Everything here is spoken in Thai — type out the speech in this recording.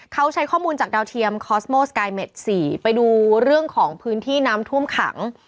เขาใช้ข้อมูลจากดาวเทียมคอสโมสกายเมด๔ไปดูเรื่องของพื้นที่น้ำท่วมขัง